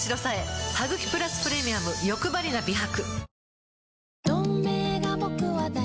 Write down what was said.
「ハグキプラスプレミアムよくばりな美白」